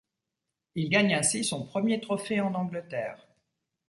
Il gagne ainsi son premier trophée en Angleterre.